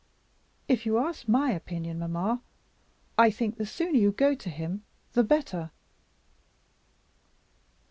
If you ask my opinion, mamma, I think the sooner you go to him the better."